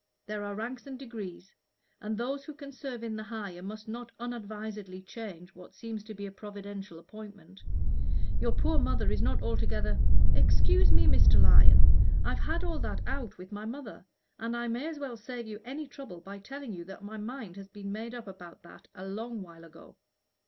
There are ranks and degrees and those who can serve in the higher must not unadvisedly change what seems to be a providential appointment. Your poor mother is not altogether " "Excuse me, Mr. Lyon; I've had all that out with my mother, and I may as well save you any trouble by telling you that my mind has been made up about that a long while ago.